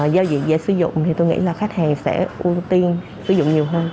giao diện dễ sử dụng thì tôi nghĩ là khách hàng sẽ ưu tiên sử dụng nhiều hơn